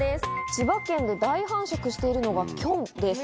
千葉県で大繁殖しているのが、キョンです。